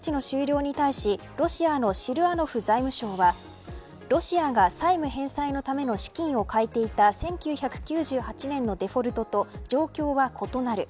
特例措置の終了に対しロシアのシルアノフ財務相はロシアが債務返済のための資金をかいていた１９９８年のデフォルトと状況は異なる。